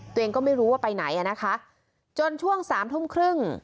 ตัวเองก็ไม่รู้ว่าไปไหนอ่ะนะคะจนช่วงสามทุ่มครึ่ง